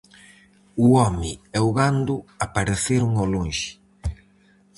O home e o gando apareceron ao lonxe.